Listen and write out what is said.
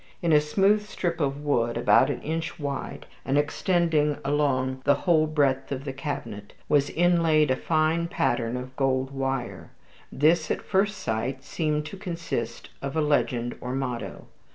In a smooth strip of wood about an inch wide, and extending along the whole breadth of the cabinet, was inlaid a fine pattern in gold wire. This at first sight seemed to consist of a legend or motto.